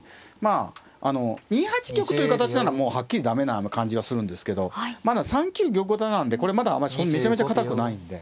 あの２八玉という形ならもうはっきり駄目な感じがするんですけどまだ３九玉型なんでこれまだめちゃめちゃ堅くないんで。